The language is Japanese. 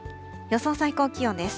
予想最高気温です。